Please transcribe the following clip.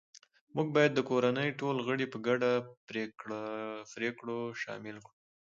موږ باید د کورنۍ ټول غړي په ګډو پریکړو شامل کړو